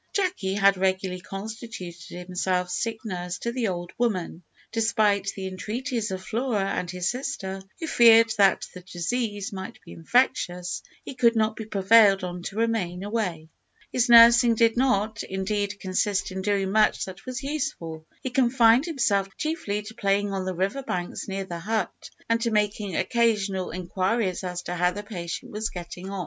Jacky had regularly constituted himself sick nurse to the old woman. Despite the entreaties of Flora and his sister, who feared that the disease might be infectious, he could not be prevailed on to remain away. His nursing did not, indeed, consist in doing much that was useful. He confined himself chiefly to playing on the river banks near the hut, and to making occasional inquiries as to how the patient was getting on.